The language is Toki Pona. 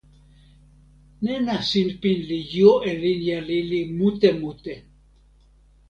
nena sinpin li jo e linja lili mute mute.